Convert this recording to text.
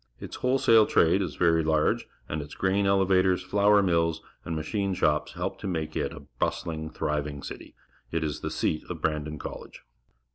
Its wholesale trade is very large, and its grain elevators, flour mills, and mach ine shops help to make it a bustUng, thriving city. It is the seat of Brandon College.